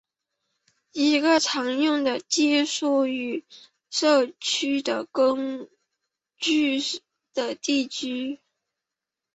一个常用的设计话语社区的工具是地图。